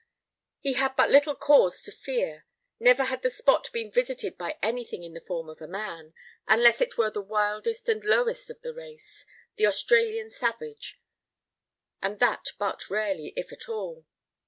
He had but little cause to fear. Never had the spot been visited by anything in the form of a man, unless it were the wildest and lowest of the race the Australian savage and that but rarely, if at all.